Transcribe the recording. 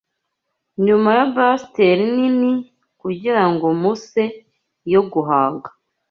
nyuma ya besteller nini, kugira muse yo guhanga